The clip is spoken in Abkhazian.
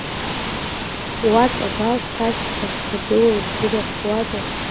Уа Ҵабал сашьцәа зҭагылоу здырхуада?